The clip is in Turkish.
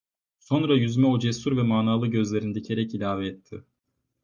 Sonra, yüzüme o cesur ve manalı gözlerini dikerek ilave etti.